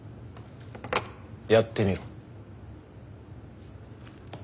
やってみろ。